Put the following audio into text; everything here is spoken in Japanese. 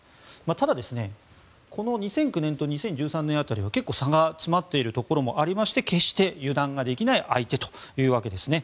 ただ、この２００９年と２０１３年辺りは結構、差が詰まっているところもありまして決して油断ができない相手というわけですね。